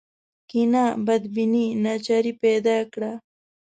کینه بدبیني ناچاري پیدا کړه